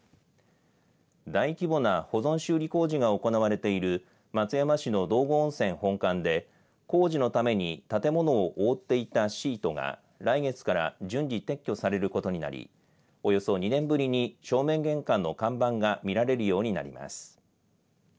大規模な保存修理工事が行われている松山市の道後温泉本館で工事のために建物を覆っていたシートが来月から順次撤去されることになりおよそ２年ぶりに正面玄関の看板が見られるようになります。